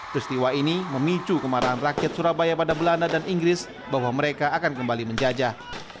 peristiwa ini memicu kemarahan rakyat surabaya pada belanda dan inggris bahwa mereka akan kembali menjajah